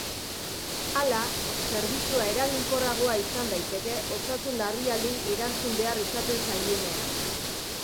Hala, zerbitzua eraginkorragoa izan daiteke osasun-larrialdiei erantzun behar izaten zaienean.